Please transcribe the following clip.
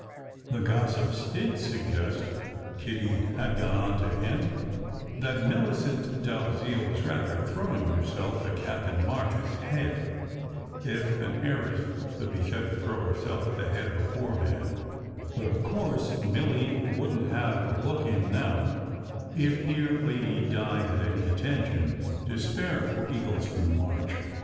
The gossips did suggest, Kitty had gone on to hint, that Millicent Dalziel was rather throwing herself at Captain March s head (if an heiress could be said to throw herself at the head of a poor man) ; but of course, Milly wouldn t have a look in now, if dear Lady Di had any attention to spare for Eagles ton March.